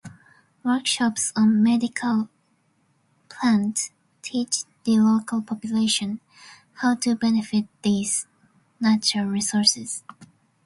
Workshops on medicinal plants teach the local population how to benefit these natural resources.